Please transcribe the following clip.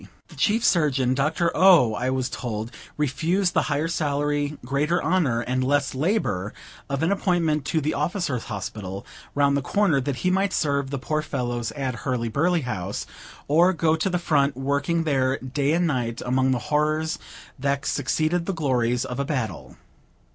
The chief Surgeon, Dr. O., I was told, refused the higher salary, greater honor, and less labor, of an appointment to the Officer's Hospital, round the corner, that he might serve the poor fellows at Hurly burly House, or go to the front, working there day and night, among the horrors that succeed the glories of a battle.